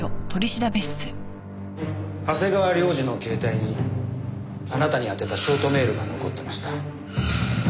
長谷川亮二の携帯にあなたに宛てたショートメールが残ってました。